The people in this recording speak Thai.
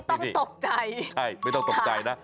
ไม่ต้องตกใจใช่ไม่ต้องตกใจนะ